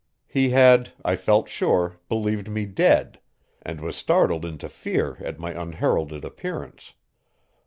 He had, I felt sure, believed me dead, and was startled into fear at my unheralded appearance.